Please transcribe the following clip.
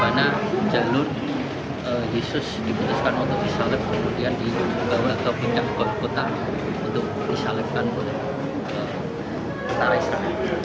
kemudian dibawa ke puncak golgotha untuk disalibkan oleh para istana